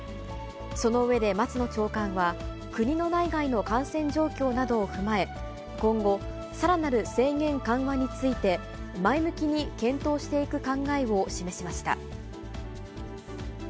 その上で、松野長官は、国の内外の感染状況などを踏まえ、今後、さらなる制限緩和について、前向きに検討していく考えを示しました。